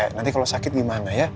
nanti kalau sakit gimana ya